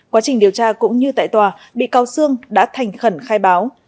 quá trình điều tra cũng như tại tòa bị cáo sương đã thành khẩn khai báo